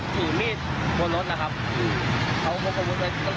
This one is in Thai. แล้วก็เห็นแล้วใช่ครับอืม